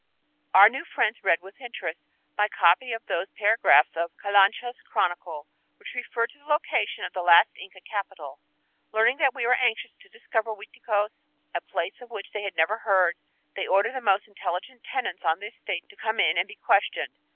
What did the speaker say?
Our new friends read with interest my copy of those paragraphs of Calaucha's "Chronicle" which referred to the location of the last Inca capital. Learning that we were anxious to discover Uiticos, a place of which they had never heard, they ordered the most intelligent tenants on the estate to come in and be questioned.